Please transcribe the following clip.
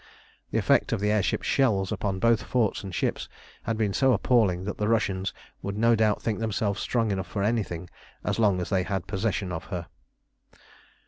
The effects of the air ship's shells upon both forts and ships had been so appalling that the Russians would no doubt think themselves strong enough for anything as long as they had possession of her.